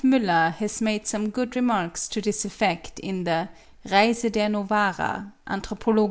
Müller has made some good remarks to this effect in the 'Reise der Novara: Anthropolog.